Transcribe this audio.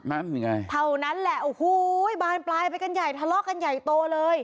นั่นไงเท่านั้นแหละโอ้โหบานปลายไปกันใหญ่ทะเลาะกันใหญ่โตเลย